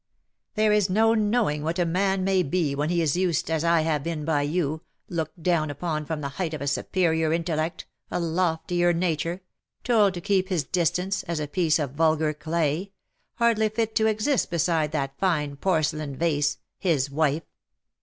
" There is no knowing what a man may be when 23 lie is used as I have been by you — looked down upon from the height of a superior intellect, a loftier nature — told to keep his distance, as a piece of vulgar clay — hardly fit to exist beside that fine porcelain vase, his wife.